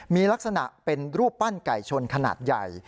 มีลักษณะเป็นรูปปั้นไก่ชนขนาดใหญ่